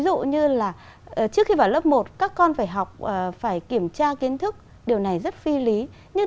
kỹ thư là trước khi vào lớp một các con phải học phải kiểm tra kiến thức điều này rất phi lý nhưng